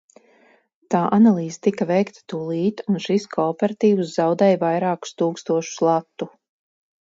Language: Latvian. Tā analīze tika veikta tūlīt, un šis kooperatīvs zaudēja vairākus tūkstošus latu.